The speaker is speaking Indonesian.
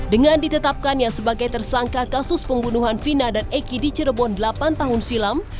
dengan ditetapkannya sebagai tersangka kasus pembunuhan vina dan eki di cirebon delapan tahun silam